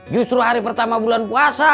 justru hari pertama bulan puasa